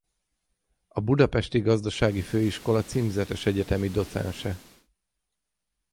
A Budapesti Gazdasági Főiskola címzetes egyetemi docense.